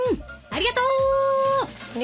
ありがとう。